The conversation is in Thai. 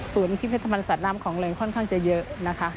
ศูนย์พิพธิภัณฑ์สัตว์น้ำของเรนค่อนข้างจะเยอะ